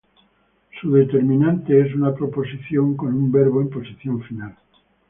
Su determinante es una proposición con un verbo en posición final.